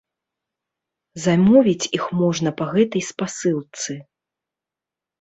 Замовіць іх можна па гэтай спасылцы.